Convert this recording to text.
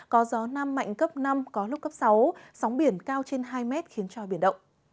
có gió nam mạnh cấp năm có lúc cấp sáu sóng biển cao trên hai mét khiến cho biển động